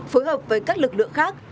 phối hợp với các lực lượng khác